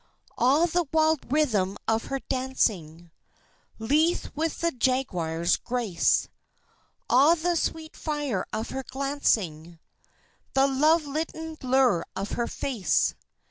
Ah, the wild rhythm of her dancing! Lithe with the jaguar's grace, Ah, the sweet fire of her glancing, The love litten lure of her face!